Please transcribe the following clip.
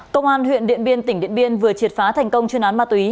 công an huyện điện biên tỉnh điện biên vừa triệt phá thành công chuyên án ma túy